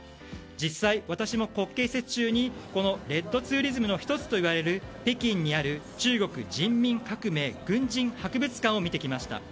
実際、私も国慶節中にレッドツーリズムの１つといわれる北京にある中国人民革命軍事博物館を見てきました。